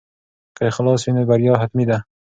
که اخلاص وي نو بریا حتمي ده.